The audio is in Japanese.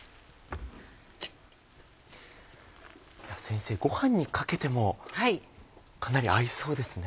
先生ご飯にかけてもかなり合いそうですね。